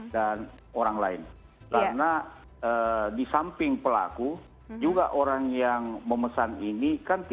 dan berdampak kesehatan yang berkonsekuensi